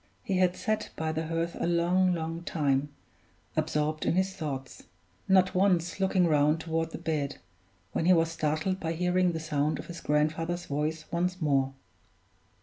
He had sat by the hearth a long, long time, absorbed in his thoughts, not once looking round toward the bed, when he was startled by hearing the sound of his grandfather's voice once more.